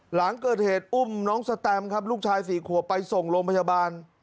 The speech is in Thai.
หลังเกิดเหตุอุ้มน้องสแตมครับลูกชาย๔ขวบไปส่งโรงพยาบาล